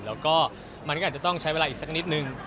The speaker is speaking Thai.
แล้วก็มันก็อาจจะต้องใช้เวลาอีกสักนิดนึง